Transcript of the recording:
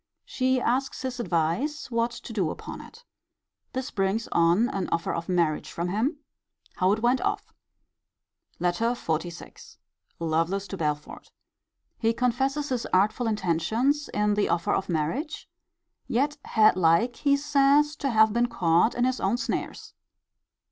She asks his advice what to do upon it. This brings on an offer of marriage from him. How it went off. LETTER XLVI. Lovelace to Belford. He confesses his artful intentions in the offer of marriage: yet had like, he says, to have been caught in his own snares.